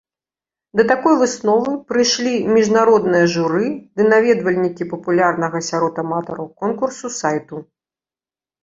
Да такой высновы прыйшлі міжнароднае журы ды наведвальнікі папулярнага сярод аматараў конкурсу сайту.